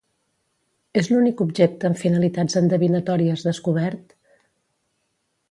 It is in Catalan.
És l'únic objecte amb finalitats endevinatòries descobert?